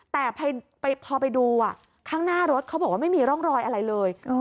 แต่พอไปดูข้างหน้ารถเขาบอกว่าไม่มีร่องรอยอะไรเลย